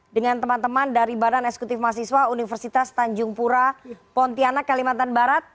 dengan teman teman dari badan eksekutif mahasiswa universitas tanjung pura pontianak kalimantan barat